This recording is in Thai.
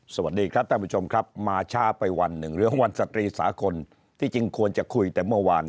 สวัสดีครับท่านผู้ชมครับมาช้าไปวันหนึ่งเรื่องวันสตรีสากลที่จริงควรจะคุยแต่เมื่อวาน